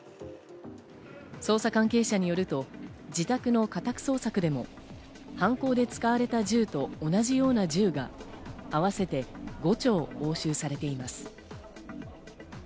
捜査関係者によると、自宅の家宅捜索でも犯行で使われた銃と同じような銃が合わせて５丁押収されています。